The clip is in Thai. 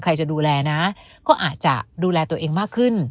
ใครจะดูแลนะก็อาจจะดูแลตัวเองมากขึ้น